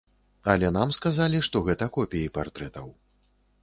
Але нам сказалі, што гэта копіі партрэтаў.